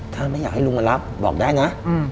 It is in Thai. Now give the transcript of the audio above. ถ้าไม่อยากให้ลุงมารับบอกได้นะ